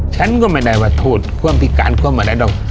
ฉันก็ไม่ได้ว่าโทษความพิการก็ไม่ได้หรอก